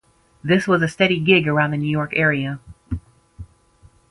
This was a steady gig around the New York area.